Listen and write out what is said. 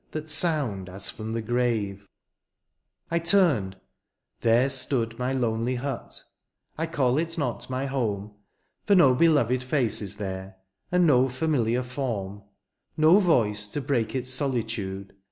That sound as from the grave. WHY AM I A SLAVE ? 1 93 I turned — there stood my lonely hut, • I call it not my home. For no beloved face is there. And no familiar form. No voice to break its solitude.